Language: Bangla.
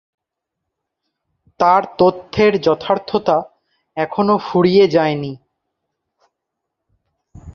তার তত্ত্বের যথার্থতা এখনো ফুরিয়ে যায়নি।